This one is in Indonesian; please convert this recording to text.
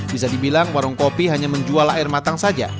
bisa dibilang warung kopi hanya menjual air matang saja